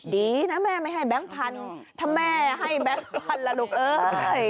ดีนะแม่ไม่ให้แบงค์พันธุ์ถ้าแม่ให้แบงค์พันธุ์ล่ะลูกเอ้ย